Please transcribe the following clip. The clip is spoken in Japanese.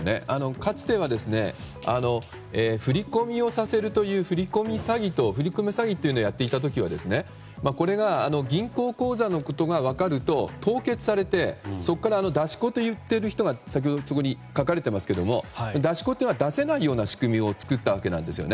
かつては振り込みをさせるという振込詐欺というのをやっていた時はこれが銀行口座のことが分かると凍結されて、そこから出し子と言っている人が先ほど書かれていましたが出し子が出せないような仕組みを作ったわけなんですね。